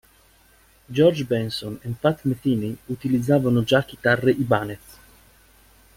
George Benson e Pat Metheny utilizzavano già chitarre Ibanez.